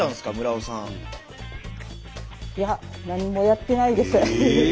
いや何もやってないです。